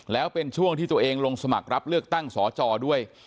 แล้วเป็นช่วงที่ตัวเองลงสมัครรับเลือกตั้งสอจอด้วย